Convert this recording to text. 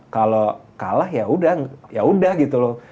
kalau kalah yaudah gitu loh